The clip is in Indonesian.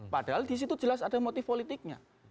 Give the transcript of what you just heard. padahal di situ jelas ada motif politiknya